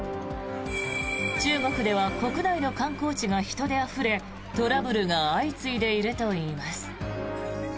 中国では国内の観光地が人であふれトラブルが相次いでいるといいます。